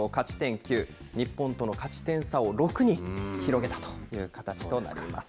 ９、日本との勝ち点差を６に広げたという形となります。